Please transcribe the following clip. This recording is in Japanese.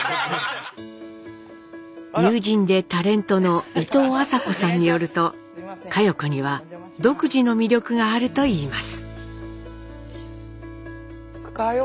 友人でタレントのいとうあさこさんによると佳代子には独自の魅力があるといいます。